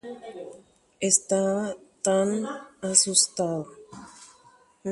Tuichaiterei niko añemondýi.